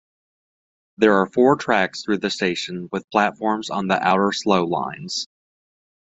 There are four tracks through the station, with platforms on the outer Slow lines.